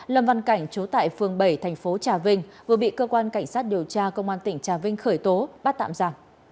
lầm văn cảnh chú tại phường bảy thành phố trà vinh vừa bị cơ quan cảnh sát điều tra công an tỉnh trà vinh khởi tố bắt tạm giả